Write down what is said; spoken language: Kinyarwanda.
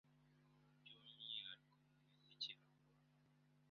by’umwihariko mu muziki akora